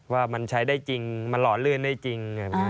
ว่ามันใช้ได้จริงมันหล่อลื่นได้จริง